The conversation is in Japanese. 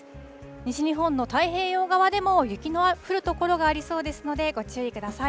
西日本の太平洋側でも雪の降る所がありそうですので、ご注意ください。